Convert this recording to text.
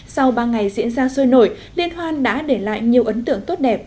sau ba ngày diễn ra sôi nổi liên hoan đã để lại nhiều ấn tượng tốt đẹp